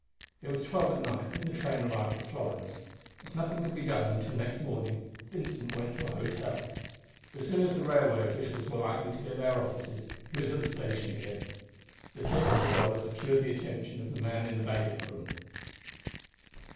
It was twelve at night when the train arrived at Florence. As nothing could be done until next morning Vincent went to an hotel. As soon as the railway officials were likely to be at their offices he was at the station again. The tip of a dollar secured the attention of the man in the baggage room.